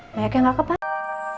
banyak yang gak ke pasar